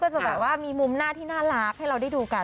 จะแบบว่ามีมุมหน้าที่น่ารักให้เราได้ดูกัน